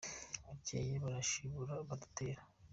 bukeye barashibura baratera